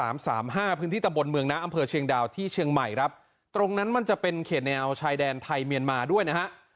พื้นที่ตำบลเมืองนะอำเภอเชียงดาวที่เชียงใหม่ครับตรงนั้นมันจะเป็นเขตแนวชายแดนไทยเมียนมาด้วยนะฮะ